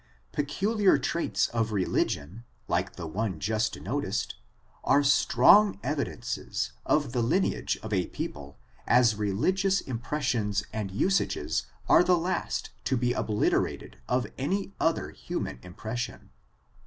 12* ':«» ORIGIN, CHARACTER, AND Foculiar traits of religion, ]ike the one just noticed are strong evidences of the lineage of a people, as re ligious impressions and usages are the last to be o\h literated of any other human impressions.